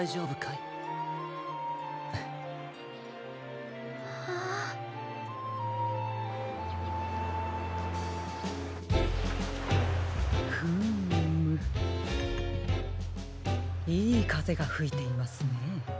いいかぜがふいていますね。